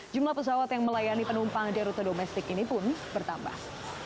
jumlah pesawat yang melayani penumpang di rute domestik ini pun bertambah